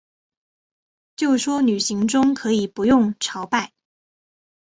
就说旅行中可以不用朝拜